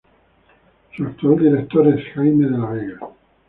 Su actual director es Jaime de la Vega.